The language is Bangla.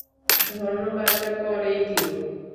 ধন্যবাদটা পরেই দিও।